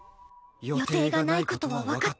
予定がない事はわかった